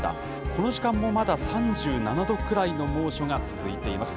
この時間もまだ３７度くらいの猛暑が続いています。